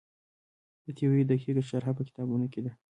د دې تیورۍ دقیقه شرحه په کتابونو کې ده.